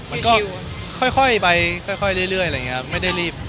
มันก็ค่อยไปค่อยเรื่อยไม่ได้รีบ